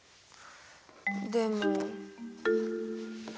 でも。